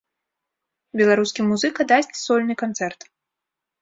Беларускі музыка дасць сольны канцэрт.